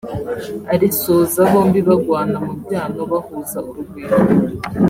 arisoza bombi bagwana mu byano bahuza urugwiro